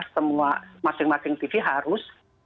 semua masing masing tv harus